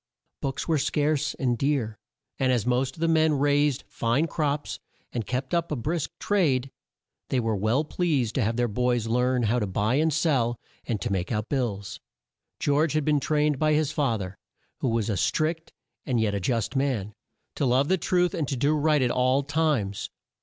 Books were scarce and dear, and as most of the men raised fine crops, and kept up a brisk trade, they were well pleased to have their boys learn how to buy and sell, and to make out bills. George had been trained by his fa ther, who was a strict and yet a just man, to love the truth and to do right at all times.